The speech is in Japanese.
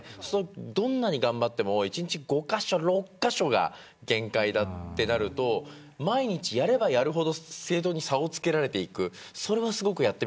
どれだけ頑張っても１日５カ所６カ所が限界だとなると毎日やればやるほど政党に差をつけられていく。